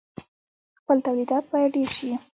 خپل تولیدات باید ډیر شي.